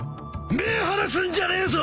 目ぇ離すんじゃねえぞ！